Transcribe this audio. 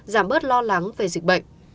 giảm bớt lo lắng về dịch bệnh